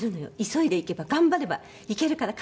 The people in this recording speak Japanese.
急いで行けば頑張れば行けるから。